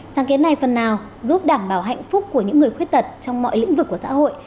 sáng kiến này phần nào giúp đảm bảo hạnh phúc của những người khuyết tật trong mọi lĩnh vực của xã hội